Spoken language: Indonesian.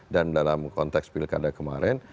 dan dalam konteks pilkada kemarin